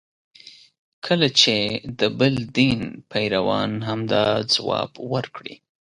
کله چې د بل دین پیروان همدا ځواب ورکړي.